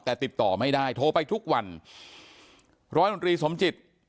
แต่ติดต่อไม่ได้โทรไปทุกวันร้อยนตรีสมจิต